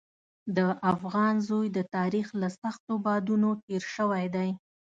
د افغان زوی د تاریخ له سختو بادونو تېر شوی دی.